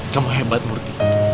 kamu hebat murthy